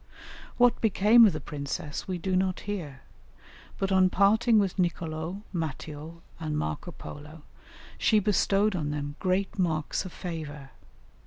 What became of the princess we do not hear, but on parting with Nicolo, Matteo, and Marco Polo, she bestowed on them great marks of favour.